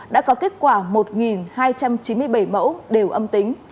đã có kết quả một hai trăm chín mươi bảy mẫu đều âm tính